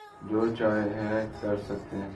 جو چاہے کر سکتے تھے۔